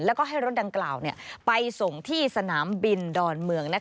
แล้วก็ให้รถดังกล่าวไปส่งที่สนามบินดอนเมือง